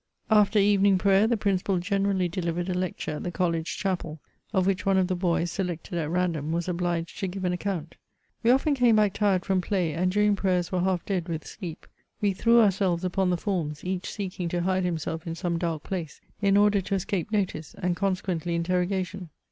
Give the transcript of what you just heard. After evening prayer, the principal generally deUvered a lecture at the College Chapel, of which one of the boys, selected at random, was obhged to give an account. We often came back tired from play, and during prayers were half dead with sleep ; we threw ourselves upon the forms, each seeking to hide himself in some dark place, in order to escape notice, and consequently interrogation.